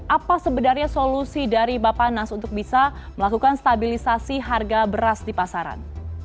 apa sebenarnya solusi dari bapak nas untuk bisa melakukan stabilisasi harga beras di pasaran